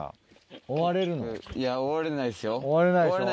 終われないでしょ？